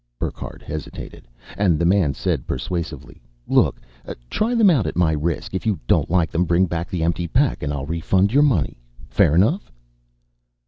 Burckhardt hesitated, and the man said persuasively, "Look, try them out at my risk. If you don't like them, bring back the empty pack and I'll refund your money. Fair enough?"